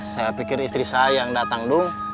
saya pikir istri saya yang datang dong